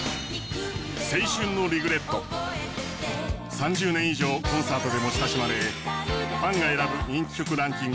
３０年以上コンサートでも親しまれファンが選ぶ人気曲ランキング